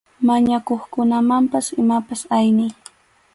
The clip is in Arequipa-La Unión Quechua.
Mañakuqkunamanpas imapas ayniy.